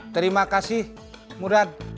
terima kasih murad